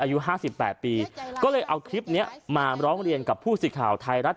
อายุ๕๘ปีก็เลยเอาคลิปนี้มาร้องเรียนกับผู้สื่อข่าวไทยรัฐ